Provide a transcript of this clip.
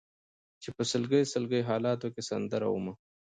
چې په سلګۍ سلګۍ حالاتو کې سندره ومه